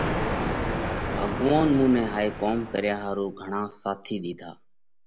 ڀڳوونَ مُون نئہ هائي ڪوم ڪريا ۿارُو گھڻا ساٿِي ۮِيڌاھ۔